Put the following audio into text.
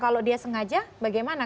kalau dia sengaja bagaimana